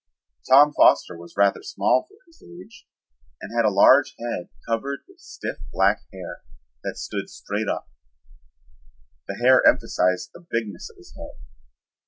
Tom Foster was rather small for his age and had a large head covered with stiff black hair that stood straight up. The hair emphasized the bigness of his head.